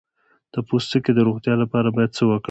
د پوستکي د روغتیا لپاره باید څه وکړم؟